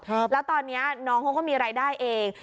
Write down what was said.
แล้วตอนเนี้ยน้องเขาก็มีรายได้เอง